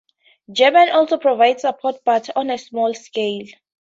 Germany also provides support but on a smaller scale.